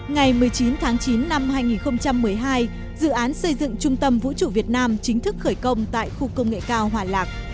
ngày một mươi chín tháng chín năm hai nghìn một mươi hai dự án xây dựng trung tâm vũ trụ việt nam chính thức khởi công tại khu công nghệ cao hòa lạc